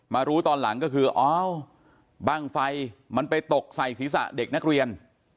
รู้ตอนหลังก็คืออ้าวบ้างไฟมันไปตกใส่ศีรษะเด็กนักเรียน